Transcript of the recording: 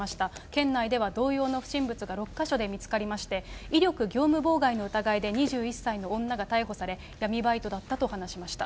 県内では同様の不審物が６か所で見つかりまして、威力業務妨害の疑いで２１歳の女が逮捕され、闇バイトだったと話しました。